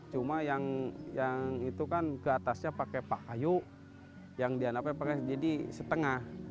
cuma yang itu kan keatasnya pakai kayu yang dianakannya pakai jadi setengah